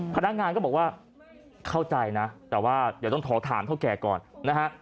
พนักงานก็บอกว่าเข้าใจนะแต่ว่าเดี๋ยวต้องขอถามเท่าแก่ก่อนนะฮะ